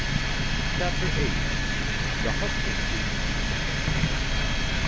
CHAPTER VIII. THE HUSKING BEE.